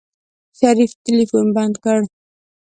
شريف ټلفون بند کړ.